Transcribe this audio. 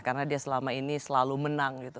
karena dia selama ini selalu menang gitu